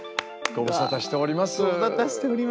ご無沙汰しております。